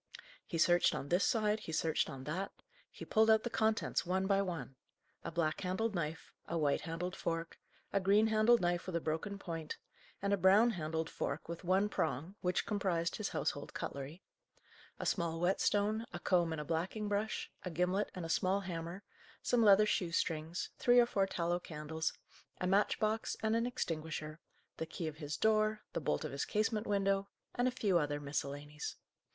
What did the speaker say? He searched on this side, he searched on that; he pulled out the contents, one by one: a black handled knife, a white handled fork, a green handled knife with a broken point, and a brown handled fork with one prong, which comprised his household cutlery; a small whetstone, a comb and a blacking brush, a gimlet and a small hammer, some leather shoe strings, three or four tallow candles, a match box and an extinguisher, the key of his door, the bolt of his casement window, and a few other miscellanies.